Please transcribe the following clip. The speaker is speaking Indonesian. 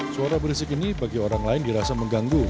suara berisik ini bagi orang lain dirasa mengganggu